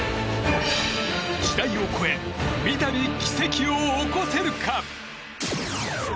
時代を超え三度、奇跡を起こせるか。